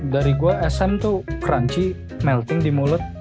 dari gua sm tuh crunchy melting di mulut